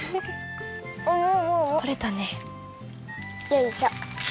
よいしょ！